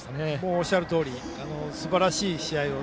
おっしゃるとおりすばらしい試合を。